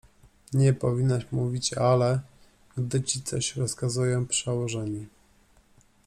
— Nie powinnaś mówić „ale”, gdy ci coś rozkazują przełożeni.